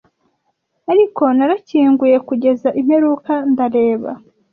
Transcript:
ariko narakinguye kugeza imperuka ndareba